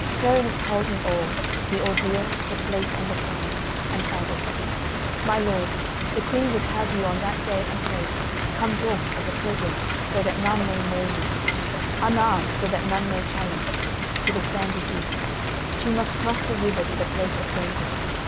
Perinis told him all: the ordeal, the place, and the time, and added: "My lord, the Queen would have you on that day and place come dressed as a pilgrim, so that none may know you—unarmed, so that none may challenge —to the Sandy Heath. She must cross the river to the place appointed.